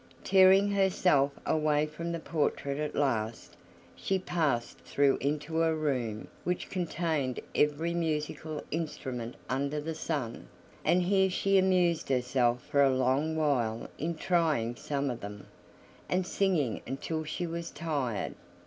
Tearing herself away from the portrait at last, she passed through into a room which contained every musical instrument under the sun, and here she amused herself for a long while in trying some of them, and singing until she was tired.